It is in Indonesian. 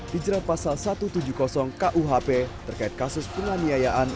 dijerat pasal satu ratus tujuh puluh kuhp terkait kasus penganiayaan